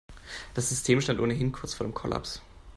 Das System stand ohnehin kurz vor dem Kollaps.